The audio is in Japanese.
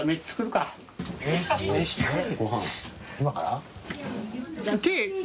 今から？